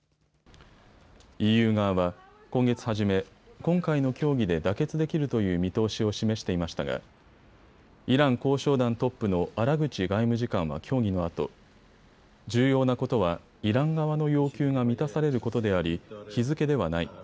ＥＵ側は今月初め今回の協議で妥結できるという見通しを示していましたがイラン交渉団トップのアラグチ外務次官は協議のあと重要なことは、イラン側の要求が満たされることであり日付ではない。